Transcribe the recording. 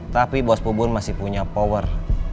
tapi bos pubun masih punya power